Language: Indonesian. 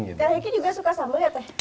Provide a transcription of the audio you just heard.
kang heki juga suka sambel ya teh